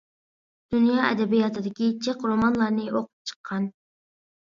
دۇنيا ئەدەبىياتىدىكى جىق رومانلارنى ئوقۇپ چىققان.